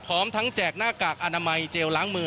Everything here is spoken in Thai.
พร้อมทั้งแจกหน้ากากอนามัยเจลล้างมือ